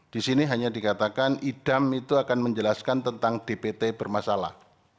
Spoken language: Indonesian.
di sini hanya dikatakan idam itu akan menjelaskan tentang dpt bermasalah